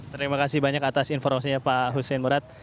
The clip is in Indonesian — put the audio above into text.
terima kasih banyak atas informasinya pak hussein murad